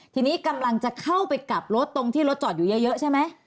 ทีนี้กำลังจะเข้าไปกลับรถตรงที่รถจอดอยู่เยอะใช่ไหม